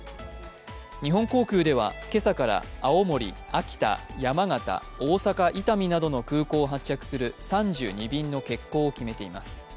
日本航空では今朝から青森、秋田、山形、大阪伊丹などの空港を発着する３２便の欠航を決めています。